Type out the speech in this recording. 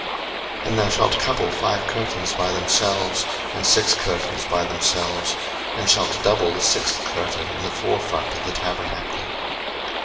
02:026:009 And thou shalt couple five curtains by themselves, and six curtains by themselves, and shalt double the sixth curtain in the forefront of the tabernacle.